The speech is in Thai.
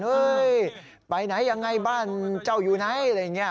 ไปไหนยังไงบ้านเจ้าอยู่ไหนอะไรอย่างนี้